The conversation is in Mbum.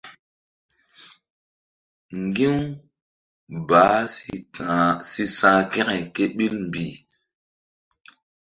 Ŋgi̧-u baah si sa̧h kȩke ke ɓil mbih.